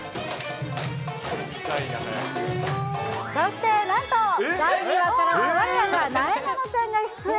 そしてなんと、第２話からはわれらがなえなのちゃんが出演。